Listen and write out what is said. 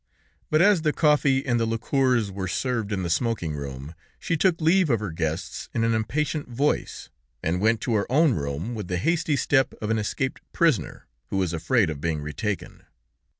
But as the coffee and the liquors were served in the smoking room, she took leave of her guests in an impatient voice, and went to her own room with the hasty step of an escaped prisoner, who is afraid of being retaken.